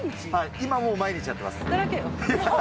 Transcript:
今も毎日やってます。